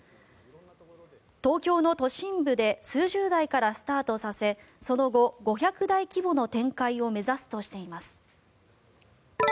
東京の都心部で数十台からスタートさせその後、５００台規模の展開を目指すとしています。